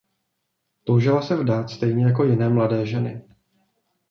Toužila se vdát stejně jako jiné mladé ženy.